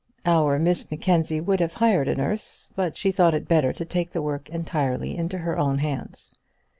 Our Miss Mackenzie would have hired a nurse, but she thought it better to take the work entirely into her own hands.